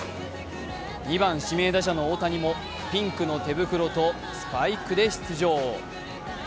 ２番・指名打者の大谷もピンクの手袋とスパイクで出場。